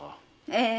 ええ。